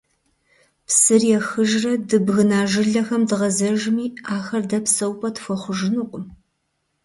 Псыр ехыжрэ, дыбгына жылэхэм дгъэзэжми, ахэр дэ псэупӀэ тхуэхъужынукъым.